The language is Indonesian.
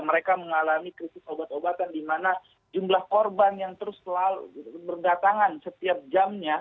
mereka mengalami krisis obat obatan di mana jumlah korban yang terus selalu berdatangan setiap jamnya